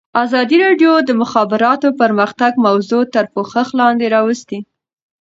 ازادي راډیو د د مخابراتو پرمختګ موضوع تر پوښښ لاندې راوستې.